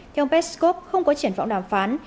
theo peskov không có triển phóng đàm phán